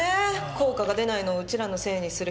効果が出ないのをうちらのせいにする人が。